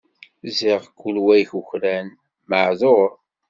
Ziɣ kul wa ikukran, meεduṛ.